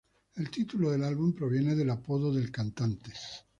El título del álbum proviene del apodo del cantante.